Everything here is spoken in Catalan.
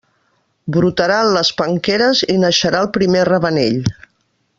Brotaran les penqueres i naixerà el primer ravenell.